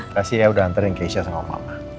kasih ya udah anterin keisha sama mama